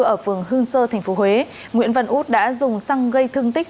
ở phường hương sơ tp huế nguyễn văn út đã dùng xăng gây thương tích